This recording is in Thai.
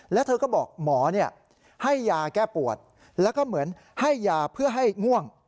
แล้วเธอก็บอกหมอให้ยาแก้ปวดแล้วก็เหมือนให้ยาเพื่อให้ง่วง